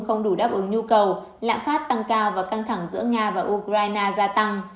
không đủ đáp ứng nhu cầu lạm phát tăng cao và căng thẳng giữa nga và ukraine gia tăng